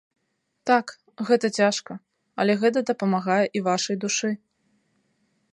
Так, гэта цяжка, але гэта дапамагае і вашай душы.